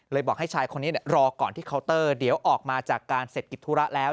บอกให้ชายคนนี้รอก่อนที่เคาน์เตอร์เดี๋ยวออกมาจากการเสร็จกิจธุระแล้ว